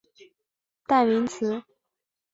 尖头燕鳐为飞鱼科燕鳐属的鱼类。